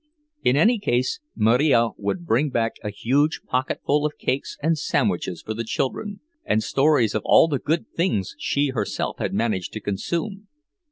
In any case Marija would bring back a huge pocketful of cakes and sandwiches for the children, and stories of all the good things she herself had managed to consume.